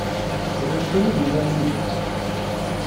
Riɣ kan ad iliɣ yid-k.